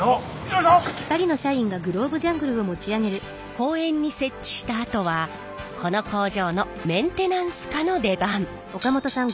公園に設置したあとはこの工場のメンテナンス課の出番。